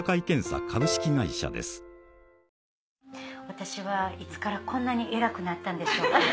私はいつからこんなに偉くなったんでしょうか。